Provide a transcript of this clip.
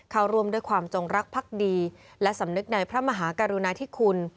เข้าร่วมด้วยความจงรักภักดีและสำนึกในพระมหากรุณาธิคุณ